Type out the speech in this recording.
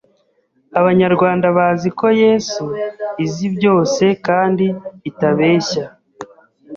Abanyarwanda bazi ko Yesu izi byose kandi itabeshya